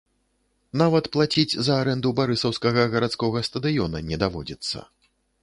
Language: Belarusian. Нават плаціць за арэнду барысаўскага гарадскога стадыёна не даводзіцца.